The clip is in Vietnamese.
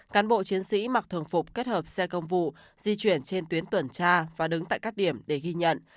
cán bộ chiến sĩ mặc thường phục kết hợp xe công vụ di chuyển trên tuyến tuần tra và đứng tại các điểm để ghi nhận